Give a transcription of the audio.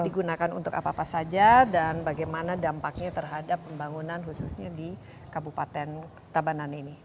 digunakan untuk apa apa saja dan bagaimana dampaknya terhadap pembangunan khususnya di kabupaten tabanan ini